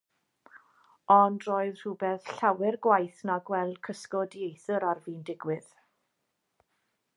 Ond roedd rhywbeth llawer gwaeth na gweld cysgod dieithr ar fin digwydd.